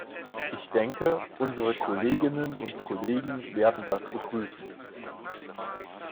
Ich denke, unsere Kolleginnen und Kollegen werden das begrüßen.